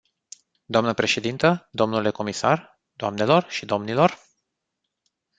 Dnă președintă, dle comisar, doamnelor și domnilor.